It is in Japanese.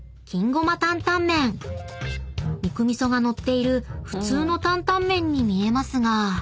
［肉味噌が載っている普通の担々麺に見えますが］